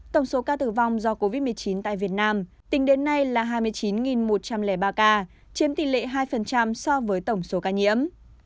tổng số ca tử vong do covid một mươi chín tại việt nam tính đến nay là hai mươi chín một trăm linh ba ca chiếm tỷ lệ hai so với tổng số ca nhiễm